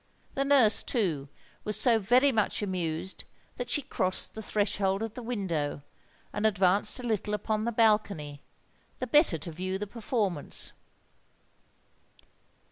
The nurse, too, was so very much amused that she crossed the threshold of the window, and advanced a little upon the balcony, the better to view the performance.